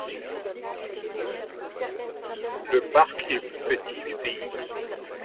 Le parc est le plus petit du pays.